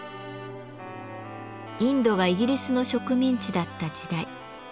インドがイギリスの植民地だった時代。